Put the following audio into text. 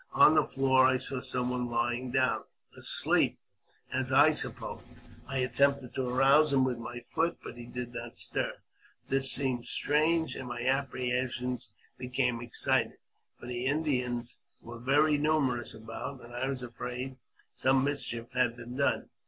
On the floor I saw some one lying down, asleep, as I supposed. I attempted to arouse him with my foot, but he did not stir. This seemed strange, and my apprehensions became excited ; for the 416 AUTOBIOGBAPHY OF Indians were very numerous about, and I was afraid some mischief had been done.